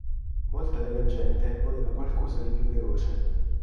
Molta della gente voleva qualcosa di più veloce.